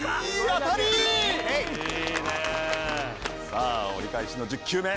さあ折り返しの１０球目。